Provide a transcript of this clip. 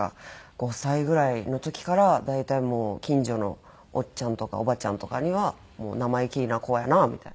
５歳ぐらいの時から大体近所のおっちゃんとかおばちゃんとかにはもう生意気な子やなみたいな。